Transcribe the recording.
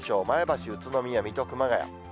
前橋、宇都宮、水戸、熊谷。